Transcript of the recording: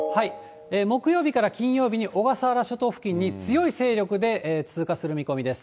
木曜日から金曜日に小笠原諸島付近を強い勢力で通過する見込みです。